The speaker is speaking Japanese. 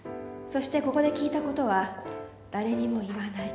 そしてここで聞いたことは誰にも言わない。